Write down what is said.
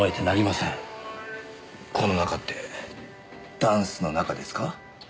この中ってダンスの中ですか？